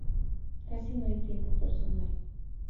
Casi no hay tiempo personal.